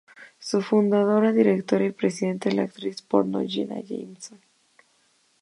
Su fundadora, directora y presidenta es la actriz porno Jenna Jameson.